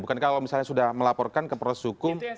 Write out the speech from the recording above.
bukan kalau sudah melaporkan ke perusahaan hukum